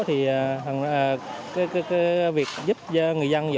thì việc giúp người dân